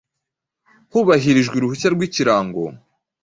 hubahirijwe uruhushya rwikirango